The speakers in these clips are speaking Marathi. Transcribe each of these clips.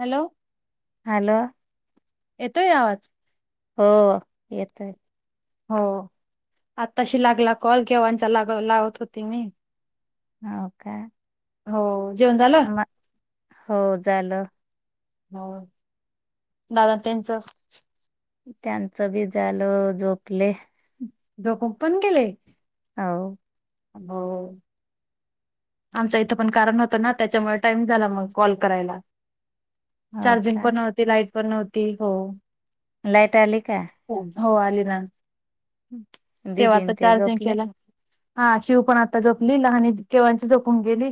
हॅलो हॅलो येतोय आवाज? हो येतंय हो आताशी लागला कॉल, केंव्हाचा लाग लावत होते मी? हो का. हो. जेवण झालं? म हो झालं. हो दादा त्यांचं? त्यांचं बी झालं झोपले झोपून पण केलय हो हो आमच्या इथं पण कारण होतं ना, त्याच्यामुळे टाइम झाला मग कॉल करायला हो चार्जिंग का पण नव्हती लाईट पण नव्ह ते हो. लाईट आली का? हो आली ना. तेव्हा दिदी न आता ते चार्जिंग झोपले? केलं. हा शिव पण आता झोपली लहान केव झोपून गेली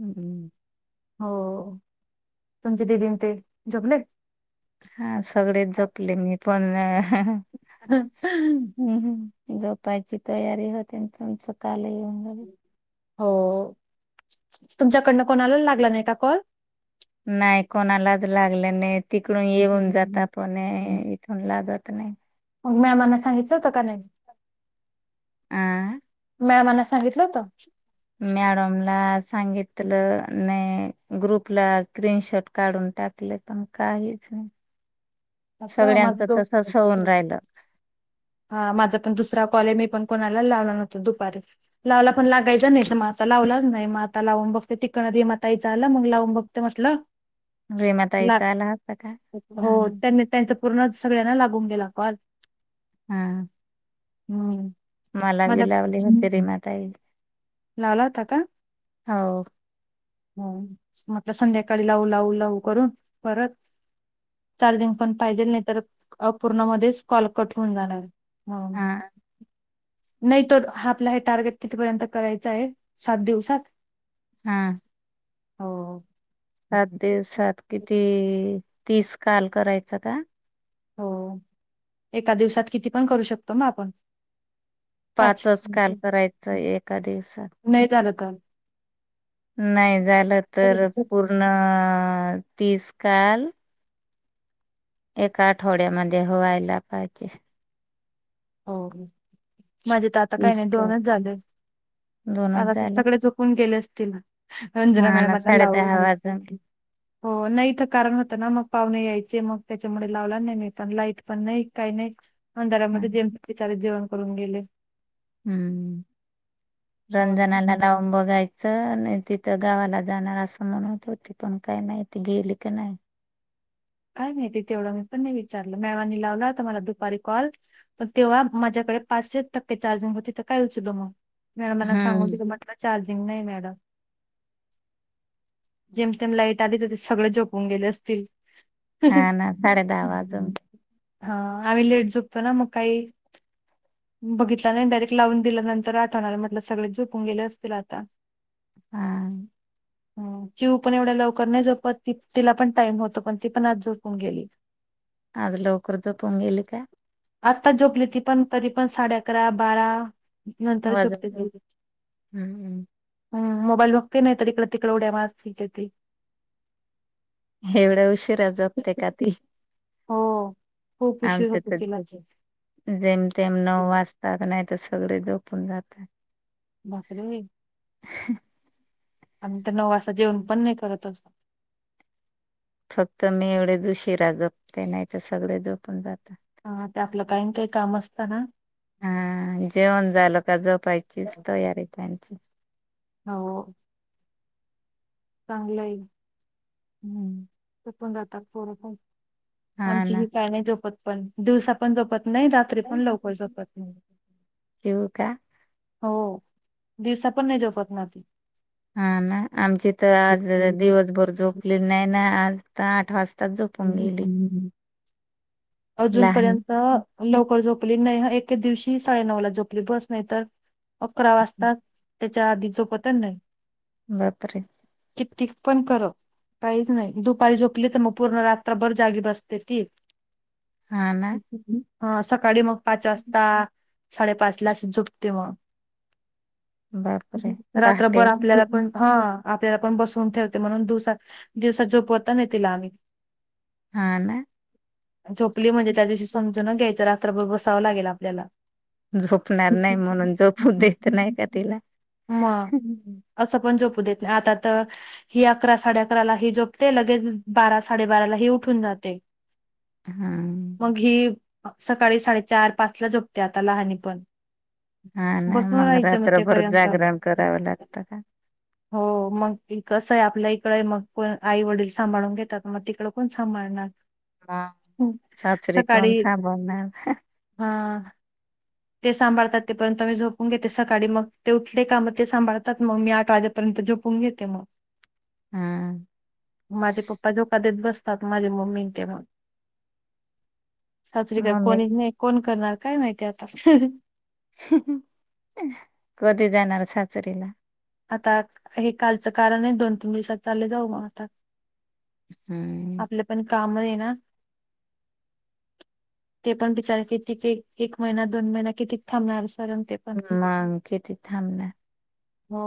हम्म हो तुमची दिदीन ते, झोपले? हा सगळेच झोपले मीच पण हम्म हम्म झोपायची तयारी होतीन तुमच काल हो. येऊन गेला हो तुमच्याकडनं कोणाला लागला नाही का कॉल? नाही कोणालाच लागले नाहीत तिकडून येऊन जाता पण मग इथून लागत नाही. मग मॅमांना सांगितल होतं का नाही? आ? मॅमांना सांगितलं होत. मॅडमला सांगितलं नाही ग्रुपला स्क्रीनशॉट काढून टाकले, पण काहीच नाही अस माझ सगळ्यांच दोन तसच होऊन राहिलं हा माझा पण दुसरा कॉले मी पण कोणाला लावलं नव्हतं दुपारी लावला पण कोणाला लावला नव्हता मी दुपारी? लावला तर लागायचा नाही. तर मग आता लावलाच नाही मग आता लावून बघते टिकणार [unintelligible] माताईच आलं मग लावून बघते म्हटलं. गिरीमा ताईचा आला होता का? हा. नाही. त्यांच पूर्णच सगळ्यांना लागून गेला कॉल. हा. हम्म. मला माझा बी लावली होती रिनाताई. लावला होता का? हो. म्हटलं संध्याकाळी लावू लावू लावू करून परत चार्जिंग पण पाहिजेल नाही, तरअपूर्ण मध्येच कॉल कट होऊन जाणार. हा. नाही. तो आपला हे टार्गेट कितीपर्यंत करायच आहे सात दिवसात! हा. हो हो. सात दिवसात किती? ते तीस कॉल करायचा का? हो. एका दिवसात किती पण करू शकतो ना आपण. पाच पाचच कॉल करायचं एका दिवसात? काल नाही झालं तर पूर्ण अ तीस काल. एका आठवड्यामध्ये व्हायला पाहिजे. हो. माझे तर आता काही तीस नाही काल दोनच झाले. आता दोनच ते झाले सगळे चुकून गेले अस तिन हा ना साडे दहा वाजून हो. नाही तर कारण होतं ना मग पाहुणे यायचे मग त्याच्यामुळे, लावला नाही मी पण लाईट पण नाही काही नाही. अंधारामध्ये जेव ते सारे जेवण करून गेले. हम्म. हो ना रंजनाला लावून बघायच च नाही तिथं गावाला जाणार असं म्हणत होती, पण काय नाही ती गेली का नाही? काय नाही ती तेवढं मी पण ना विचारलं मेळवानी लावला तर मला दुपारी कॉल पण तेव्हा माझ्याकडे पाचशे टक्के चार्जिंग होती तर काय उचलू मग. मॅडमना सांगून हम्म दिली म्हटलं चार्ज रिंग नाही मिळालं जेम तेम लाईट आली सगळे झोपून गेले असतील. हा ना साडे दहा हम्म. वाजून. हा आम्ही लेट झोपतो ना मग काही बघितला नाही डायरेक्ट लावून दिल्या नंतर आठवणार आहे म्हटलं सगळे झोपून गेले असतील आता. हा हम चिऊ पण एवढ्या लवकर नाही झोपत तिला पण टाइम होतो पण ती पण आज झोपून गेली. आज लवकर झोपून गेली काय? आत्ताच झोपली ती पण तरी पण साडे अकरा बारा नंतर झोपते वाजून हम्म हम मोबाईल बघते नाही तर इकडे तिकडे उड्या मारत फिरते ती. एवढया उशिरा झोपते का ती? हो खूप उशीर आमच्या होतो तर तिला जेमतेम नऊ वाजता का नायतर सा सगळे झोपून जातात. बापरे. ह. आम्ही तर नऊ वाजता जेवण पण नाय करत अस फक्त मी एवढेच उशीरा झोपते नाही तर सगळे झोपून जातात. हा ते आपलं कायम काही काम असतं ना. हा जेवण झालं का झोपायचीच तयारीत हाय मी. अच् हो. चागलयं. हम्म. मग आता पोर प हा आमची ना ही काय नाय झोपत. पण दिवसा पण झोपत. न‌ई रात्री पण लवकर झोपत न‌ईत. ठेवू का हो दिवसा पण नाय झोपत ना ती. हा ना आमची तर आज दिवसभर झोपली नाही ना आज. आठ वाज अजून लहान पर्यंत लवकर झोप. झोपली नाही ना एके दिवशी साडेनऊ ला झोपली बस नाही तर. अकरा वाजतात. त्याच्या आधी झोपतच नाय. बापरे. किती पण कर काहीच नाही दुपारी झोपली तर मग. पूर्ण रात्रभर जागी बसते ती. हा ना ह् हम् हा सका सकाळी मग पाच वाजता. साडेपाचलाच झोपती मग. बापरे पहाटे रात्रभर आपल्याला पण हा आप त्याला पण बसवून ठेवते म्हणून दुसा दिवसाात झोपवता. न तिला आम्ही हा ना झोपली म्हणजे त्या दिवशी समज घ्यायच रात्रर बसावं लागेल. आपल्याला झोपणार नाही म्हणून झोपू देत नाही का तिला? मग असं पण झोपू देत नाही, आता तर हि अकरा- साडे अकराला हि झोपते, लगेच बारा स साडेबाराला ही उठून जाते. हा मग हि सकाळी साडेचार-पाच ला झो पते, आता लहाने पण हा ना बसून मग, राहायचं रात्रभर तेपर्यंत जागरण करावं लागतं का. हो, मग कसं आहे आपल्या इकडे आहे मग कोण आई वडील सांभाळून घेतात. मग तिकडं कोण सांभाळणार. हा, हं. सासरी कोण सकाळी सांभाळणार हा. हा ते सांभाळतात तेपर्यंत मी ते सांभाळतात तेपर्यंत मी झोपून घेते, सकाळी मग ते उठले का मग ते सांभाळतात मग मी आठ वाजेपर्यंत झोपून घेते मग. हा माझे पप्पा झो का देत बस असतात माझे मम्मी न ते मग. सासरी काय मम्मी कोणीच नाही, कोण करणार. काय माहिती आत हूं हूं हूं हूं कधी जाणार सासरीला? आता हे कालचं कारण आहे, दोन तीन दिवसात चालले जाऊ मग आता. हम् आपले पण काम आहे ना, ते पण बिचारे किती एक महिना दोन महिना कितीक थांबणार. सरण ते पण मग किती थांबना? हो,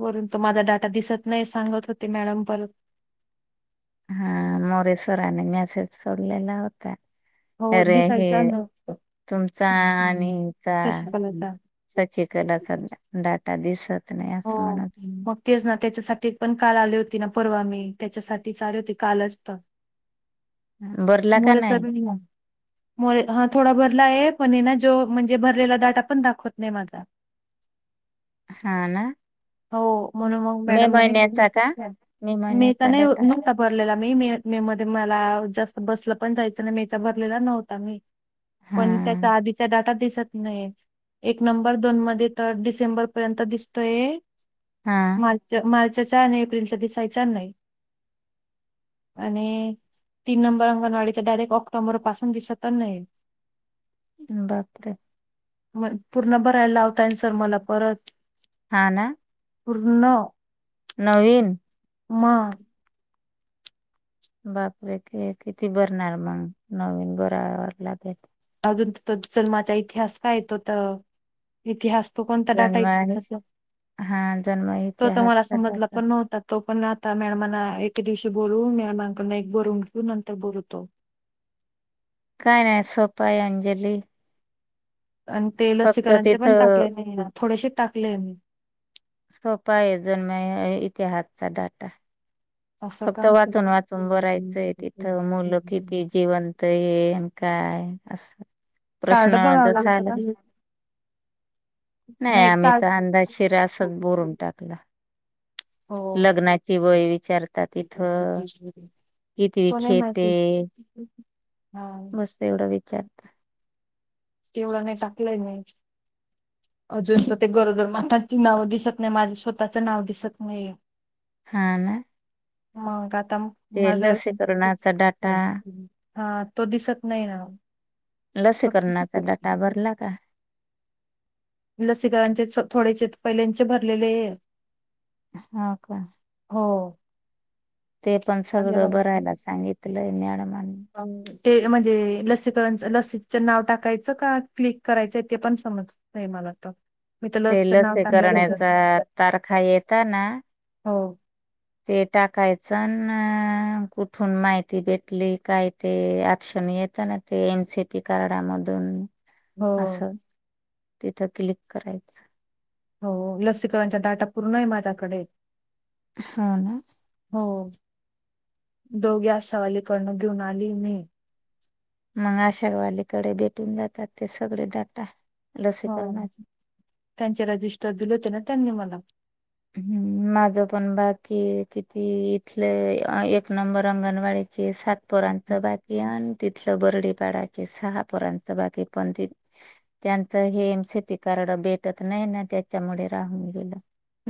वरून तो माझा डाटा दिसत नाही, सांगत होते मॅडम परत. हा, मोरे सरानी मॅसेज सोडलेला होता. हो अरे हे, दिसायचा न तुमचा आणि हिचा तशी कलता सचिकलाचा डाटा दिसत. ते नाही हो असं म्हणत. मग तेच ना त्याच्यासाठी पण काल आली होती ना परवा मी. त्याच्यासाठीच आले होते कालच तर. बरला का मोरे नाही? सर मोरे, हा थोडा भरला आहे पण हाय ना जो म्हणजे भरलेला डाटा पण दाखवत नाही माझा. हा ना. हो, म्हणून मग मे मॅडम म्हणे महिन्याचा का? मे मीता महिन्याचा नाही डाटा न्हवता भरलेला. मी, मे-मे मध्ये मला जास्त बसलं. पण जायचं नाही मे चा भरलेला नव्हता मी. हा पण त्याच्या आधीच्या डाटा दीस एक नंबर दोन मधे येत डिसेंबरर त ये हा मालच्या मालच्या जाने, एप्रिलच दिसायच नाही. आणि तीन नंबर अंगणवाडीच डायरेक्ट ऑक्टोबर पासून दिसतच नाही. बापरे! मग पूर्ण भरायला लावतायना सर मला परत. हा ना पूर्ण नवीन? म. बापरे ते किती भरणार मग. नवीन भराया वर लागेल. जलमाचा इतिहास काय येतो तर इतिहास तो कोणता डाटा जन्म हा जन्म तो त इतिहास मला समजला करायचा. पण नव्हता तो पण आता मॅडमांना एके दिवशी बोलवून मॅडमांकडन एक बोलून घेऊ नंतर बोलतो. काय नाही सोपा आहे म्हणजे लई आणि ते लसीकरणचे पण टाकले तिथं नाहीये. थोडेसे टाकले मी. सोपा आहे जनमया इतिहासचा डाटा. असं फक्त का वाचून वाचून भरायचंय तिथं, मुलं किती जिवंत आहे अन् काय असं कार्ड प्रश्न बघावं जर लागतं झाला. का नाई नाही आम्ही तर कार्ड अंदाजी शिरा असच भरून टाकला. हो लग्नाची वय विचार तर तिथं किती तो नाही शेत माहिती आहे. हा बस एवढा विचार तेवढं नाही टाकलंय नाही. अजून ते गरोदर मातांची नावं दिसत नाही माझं स्वतःच नाव दिसत नाहीये. हा ना मग आत ते लसीकरणाचा डाटा हा तो दिसत नाही ना ओ. लसीकरणात डाटा भरला का? लसीकरांचेच थोड्यांचे पहिल्यांचे भरलेले आहे. ह का? हो. ते पण सगळं भरायला सांगितलंय मॅडमांनी. ते म्हणजे लसीकरणच लसीचं नाव टाकायचं का क्लिक करायचं ते पण समजत नाही मला तर मी तर ते लसचं नाव लसी टाकलं करण्याचा तारखा येत ना हो ते टाकायचं अन् कुठून माहिती भेटली काय ते ऍक्शन येतं ना ते एमसीटी करणामधून हो. तिथं क्लिक करायचं. हो. लसीकरणच्या डाटा पूर्णये माझ्याकडे. हा ना. हो.. दोघे आश्यावालि कडन घेऊन आली मी. मग आश्यावालि कडे भेटून जातात. ते सगळे जाता. हो त्यांच्याला दुष्ट जुल केल. त्यांनी मला. ह् माझ पण बाकी किती इथले एक नंबर अंगणवाडी सातपोरांचं बाकी आणि तिथलं बर्डीपाडाचे सहा पोरांचं बाकी. पण त्यांच हेम शेती कारण भेटत नाही ना.. त्याच्यामुळे राहून गेलं.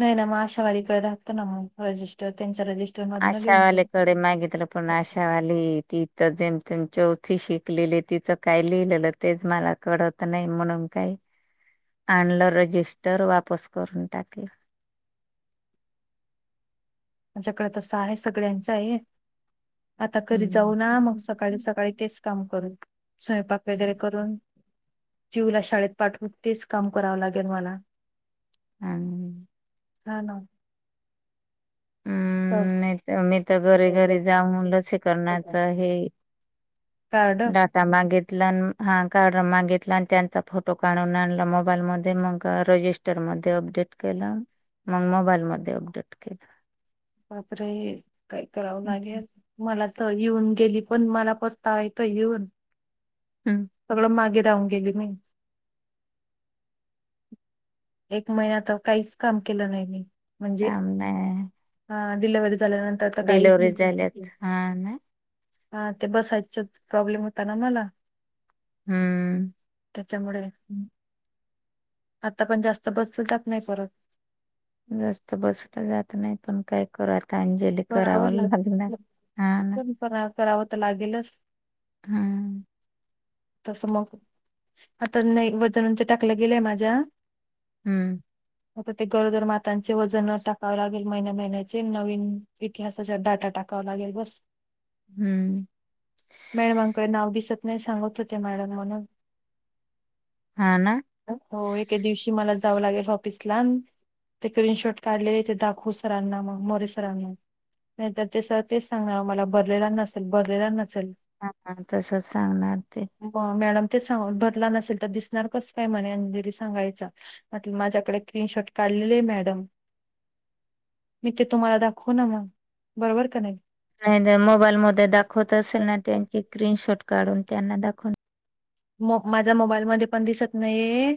नाही.. ना म आशावारीकडे राहत ना.. रजिस्टर त्याच्या रजिस्टर मधनं लिहून दिलं आशावालेकडे मागितलं पण.. आशावाली तीथ जे चौथी शिकलेली. तिचं काय लिहिलेलं तेच मला कळत नाही. म्हणून काही आणलं रजिस्टर वापस करून टाकल. माझ्याकड तसं आहे. सगळ्यांचये. आता कधी हम्म जाऊ ना.. मग सकाळी सकाळी तेच काम करीन. स्वयंपाक वगैरे करून जीवला शाळेत पाठवू. तेच काम करावं लागेल मला. ह्म्म. हा ना. हो. ह्म्म.. नाही मी तर घरी घरी जाऊन लसीकरणाच हे कार्ड डाटा मागीतला हा. कार्ड मागितला. आणि त्यांचा फोटो काढून आणला. मोबाईल मध्ये मग रजिस्टर मध्ये अपडेट केलं. मग मोबाईल मध्ये अपडेट केलं. मात्र हे काही करावं हम्म. लागेल मला येऊन गेली. पण मला पस्तावा येतोय येऊन. हम्म सगळं मागे राहून गेली मी. एक महिना तर काहीच काम केलं नाही मी. काम नाय हा डिलेव्हरी झाल्यानंतर तर काहीच डिलेव्हरी झाल्यात. नाही हा ना-' हा ते बसायचच प्रॉब्लेम होता ना मला. ह्म्म. त्याच्यामुळे आता पण जास्त बसल जात नाही परत. जास्त बसलं जात नाही. पण काय करल. अंजली. करावं लाग [unintelligible] पण करा- करावं तर लागेलच. ह्म्म. तस मग आता नाही. वजनांच टाकलं गेलंय माझ्या ह्म्म. आता ते गरोदर मातांचे वजन टाकावे लागेल महिन्या महिन्याचे नवीन इतिहासाचा डाटा टाकावा लागेल बस हम्म मॅडमांकडे नाव दिसत नाही सांगत होतिया मॅडम म्हण हा ना. हो एके दिवशी मला जावं लागेल ऑफिसलान ते स्क्रीनशॉर्ट काढलेले ते दाखवू सरांना, मग मोरे सरांना नाही तर ते सरं तेच सांगणार मला भरलेला नसेल भरलेला नसेल, हा हा तसच सांगणार ते तेच सांगाव भरला नसेल तर दिसणार कस काय म्हने? अंजली सांगायच म्हटलं माझ्याकडे स्क्री नशॉट काढलेले आहे मॅडम. मी ते तुम्हाला दाखवू ना म बरोबर का नाही? नाही नाही मोबाईल मध्ये दाखवत असेल ना त्यांची स्क्रीनशॉट काढून त्यांना दाखव [unintelligible] म माझ्या मोबाईल मध्ये पण दिसत नाहीये,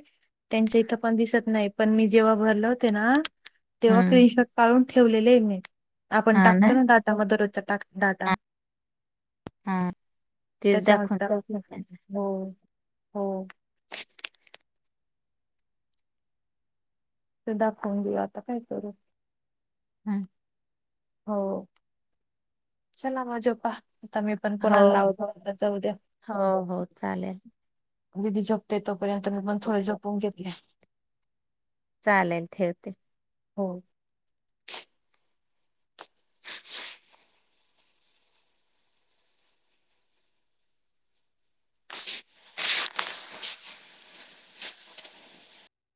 त्यांच्या इथं पण दिसत नाही, पण मी जेव्हा भरल होते ना- तेव्हा हम्म स्क्रीनशॉट काढून ठेवलेलेए मी आपण टाकतो ना डाटामध्ये रोजचा टाक डाटा हा -ते दाखवून [unintelligible] पण होय हो ते दाखवून देऊया आता काय करू? हा हो -चला मजा पहा - हो, हो, हो चालेल दिदी झोपतेत तोपर्यंत मी पण थोडे झोपून घेतले. चालेल ठेवते. हो